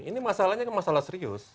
ini masalahnya masalah serius